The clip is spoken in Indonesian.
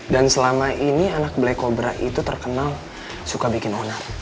dan selama ini anak black cobra itu terkenal suka bikin onar